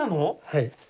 はい。